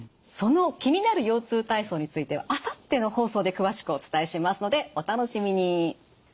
その気になる腰痛体操についてはあさっての放送で詳しくお伝えしますのでお楽しみに。